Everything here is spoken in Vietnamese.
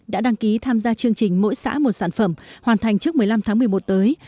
đã đăng ký tham gia chương trình mỗi xã một sản phẩm hoàn thành trước một mươi năm tháng một mươi một tới